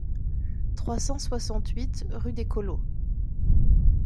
trois cent soixante-huit rue des Collots